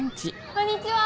こんにちは。